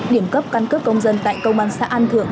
điểm cấp căn cước công dân tại công an xã an thượng